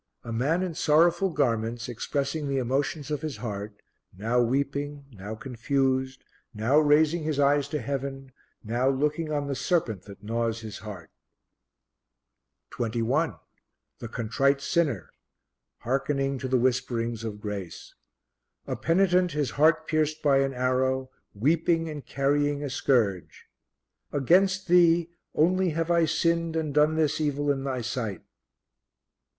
A man in sorrowful garments expressing the emotions of his heart, now weeping, now confused, now raising his eyes to Heaven, now looking on the serpent that gnaws his heart. 21. The Contrite Sinner hearkening to the whisperings of grace. A penitent, his heart pierced by an arrow, weeping and carrying a scourge: "Against Thee only have I sinned and done this evil in Thy sight."